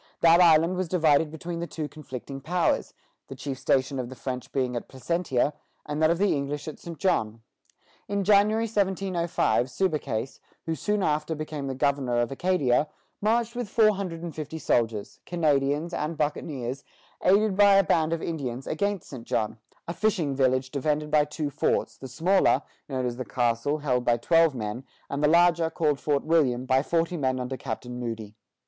That island was divided between the two conflicting powers, the chief station of the French being at Placentia, and that of the English at St. John. In January, 1705, Subercase, who soon after became governor of Acadia, marched with four hundred and fifty soldiers, Canadians, and buccaneers, aided by a band of Indians, against St. John, a fishing village defended by two forts, the smaller, known as the castle, held by twelve men, and the larger, called Fort William, by forty men under Captain Moody.